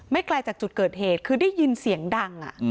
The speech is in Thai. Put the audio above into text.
ไกลจากจุดเกิดเหตุคือได้ยินเสียงดัง